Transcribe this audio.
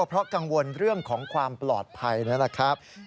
เพราะกังวลเรื่องของความปลอดภัยนะครับ